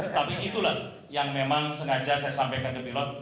tetapi itulah yang memang sengaja saya sampaikan ke pilot